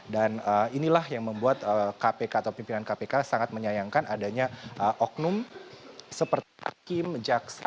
dan inilah yang membuat kpk atau pimpinan kpk sangat menyayangkan adanya oknum seperti hakim jaksa